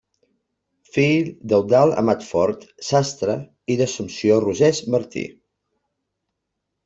Fill d'Eudald Amat Fort, sastre, i d'Assumpció Rosés Martí.